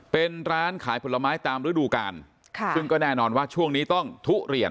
เป็นร้านขายผลไม้ตามฤดูกาลค่ะซึ่งก็แน่นอนว่าช่วงนี้ต้องทุเรียน